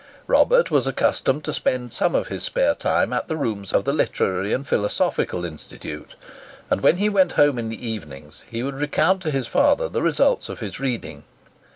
Robert was accustomed to spend some of his spare time at the rooms of the Literary and Philosophical Institute; and when he went home in the evening, he would recount to his father the results of his reading.